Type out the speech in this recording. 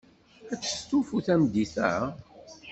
Ad testufu tameddit-a?